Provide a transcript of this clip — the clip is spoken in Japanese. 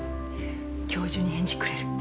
今日中に返事くれるって。